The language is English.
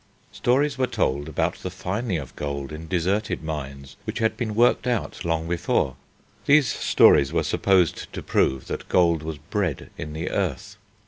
Stories were told about the finding of gold in deserted mines which had been worked out long before; these stories were supposed to prove that gold was bred in the earth.